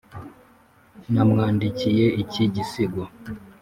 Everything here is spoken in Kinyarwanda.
namwandikiye iki gisigo,